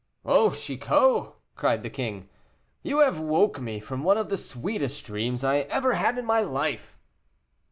"Oh, Chicot!" cried the king, "you have woke me from one of the sweetest dreams I ever had in my life."